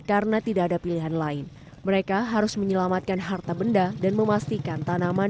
karena tidak ada pilihan lain mereka harus menyelamatkan harta benda dan memastikan tanaman